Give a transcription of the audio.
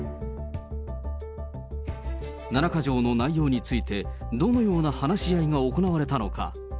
七か条の内容について、どのような話し合いが行われたのか。